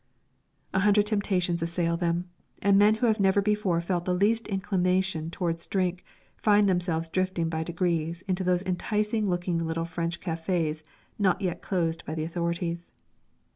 A hundred temptations assail them, and men who had never before felt the least inclination towards drink find themselves drifting by degrees into those enticing looking little French cafés not yet closed by the authorities.